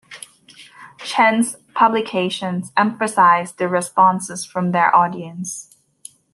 Chen's publications emphasized the responses from their audience.